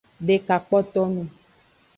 Deka kpoto nung.